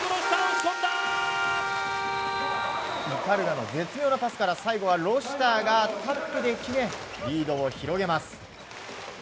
鵤の絶妙なパスから最後はロシターがタップで決めリードを広げます。